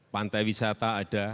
pantai wisata ada